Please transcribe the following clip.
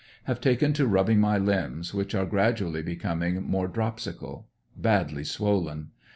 Have taken to rubbing my limbs, which are gradually becoming more dropsical. Badly swollen.